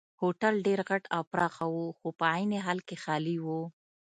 هوټل ډېر غټ او پراخه وو خو په عین حال کې خالي وو.